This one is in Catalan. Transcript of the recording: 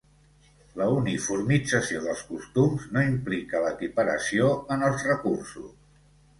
La uniformització dels costums no implica l'equiparació en els recursos.